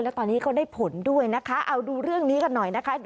แล้วตอนนี้ก็ได้ผลด้วยนะคะเอาดูเรื่องนี้กันหน่อยนะคะ